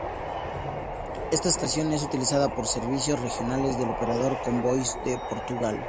Esta estación es utilizada por servicios regionales del operador Comboios de Portugal.